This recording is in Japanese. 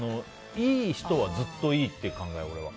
いい人はずっといいっていう考え、俺は。